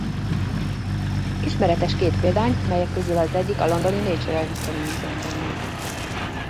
Ismeretes két példány melyek közül az egyik a londoni Natural History Museum-ban van.